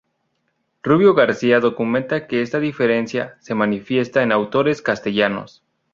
Rubio García documenta que esta diferencia se manifiesta en autores castellanos.